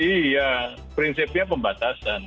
iya prinsipnya pembatasan